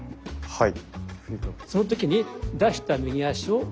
はい。